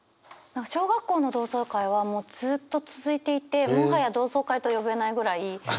小学校の同窓会はもうずっと続いていてもはや同窓会と呼べないぐらいしょっちゅう集まっちゃってる。